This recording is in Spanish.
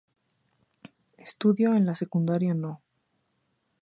Estudió en la Secundaria No.